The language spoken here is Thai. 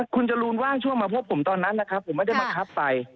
คุณจรูนว่างช่วงมาพบผมตอนนั้นนะครับผมไม่ได้บังคับไป